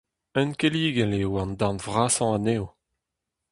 Unkelligel eo an darn vrasañ anezho.